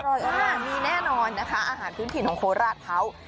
อร่อยมากมีแน่นอนนะคะอาหารพื้นถิ่นของโคลาดเผา